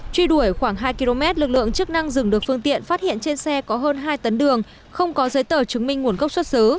truy đuổi khoảng hai km lực lượng chức năng dừng được phương tiện phát hiện trên xe có hơn hai tấn đường không có giấy tờ chứng minh nguồn gốc xuất xứ